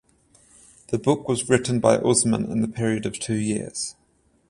The book was written by Usman in the period of two years.